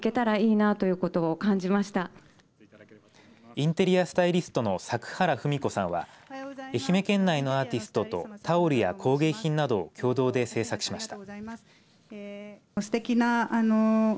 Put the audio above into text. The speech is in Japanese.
インテリアスタイリストの作原文子さんは愛媛県内のアーティストとタオルや工芸品などを共同で制作しました。